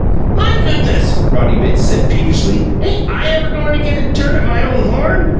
"My goodness!" Roddy Bitts said peevishly. "Ain't I ever goin' to get a turn at my own horn?